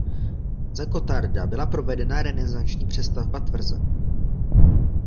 Za Gotharda byla provedena renesanční přestavba tvrze.